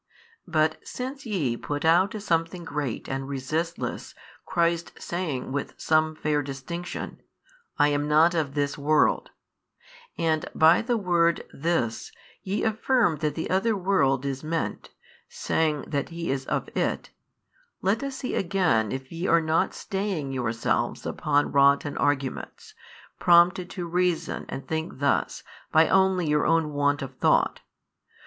But since ye put out as something great and resistless Christ saying with some fair distinction, I am not of this world; and by the word this, ye affirm that the other world is meant, saying that He is of it, let us see again if ye are not staying yourselves upon rotten arguments, prompted to reason and think thus by only your own want of thought.